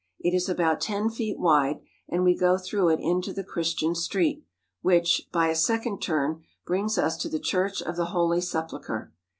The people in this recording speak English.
It is about ten feet wide, and we go through it into the Christian Street, which, by a second turn, brings us to the Church of the Holy Sepulchre.